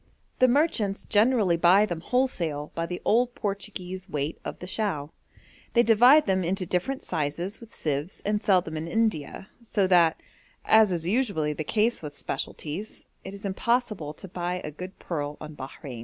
The merchants generally buy them wholesale by the old Portuguese weight of the chao. They divide them into different sizes with sieves and sell them in India, so that, as is usually the case with specialties, it is impossible to buy a good pearl on Bahrein.